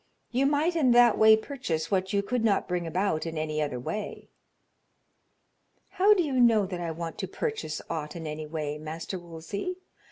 You might in that way purchase what you could not bring about in any other way." "How do you know that I want to purchase aught in any way, Master Wolsey?